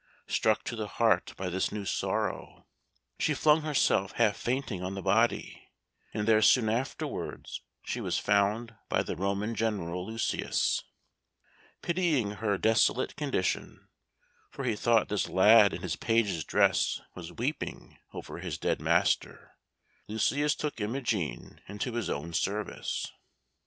Struck to the heart by this new sorrow, she flung herself half fainting on the body, and there soon afterwards she was found by the Roman General, Lucius. Pitying her desolate condition, for he thought this lad in his page's dress was weeping over his dead master, Lucius took Imogen into his own service.